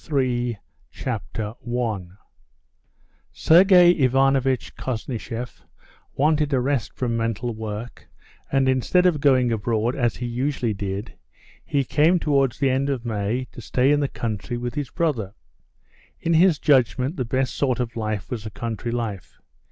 PART THREE Chapter 1 Sergey Ivanovitch Koznishev wanted a rest from mental work, and instead of going abroad as he usually did, he came towards the end of May to stay in the country with his brother. In his judgment the best sort of life was a country life.